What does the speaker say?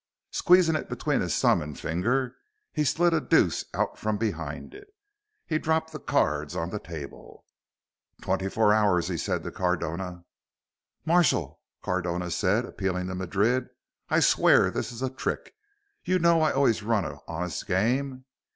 Squeezing it between his thumb and finger, he slid a deuce out from behind it. He dropped the cards on the table. "Twenty four hours," he said to Cardona. "Marshal," Cardona said, appealing to Madrid, "I swear this is a trick. You know I've always run an honest game.